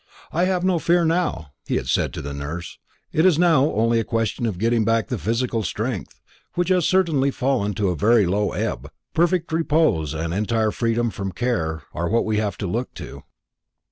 "I have no fear now," he had said to the nurse. "It is now only a question of getting back the physical strength, which has certainly fallen to a very low ebb. Perfect repose and an entire freedom from care are what we have to look to."